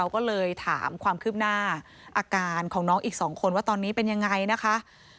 ก็เลยถามความคืบหน้า